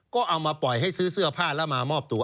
ก็เอามาปล่อยให้ซื้อเสื้อผ้าแล้วมามอบตัว